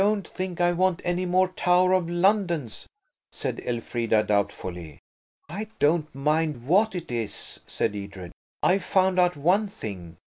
"I don't think I want any more Tower of Londons," said Elfrida doubtfully. "I don't mind what it is," said Edred. "I've found out one thing.